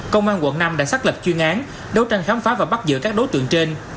công an quận năm đã xác lập chuyên án đấu tranh khám phá và bắt giữ các đối tượng trên